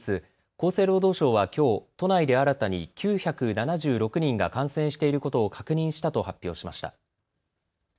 厚生労働省はきょう都内で新たに９７６人が感染していることを確認したと発表しました。